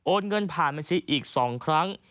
เงินผ่านบัญชีอีก๒ครั้ง